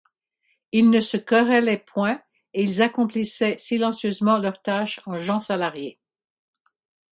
Ils ne se querellaient point, et ils accomplissaient silencieusement leur tâche, en gens salariés.